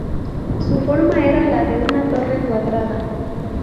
Su forma era la de una torre cuadrada.